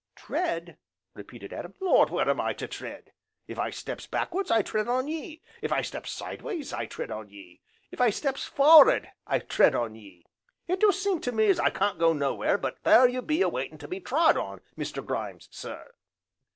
"Tread!" repeated Adam, "Lord! where am I to tread? If I steps backward I tread on ye, If I steps sideways I tread on ye, if I steps for ard I tread on ye. It do seem to me as I can't go nowhere but there you be a waitin' to be trod on, Mr. Grimes, sir."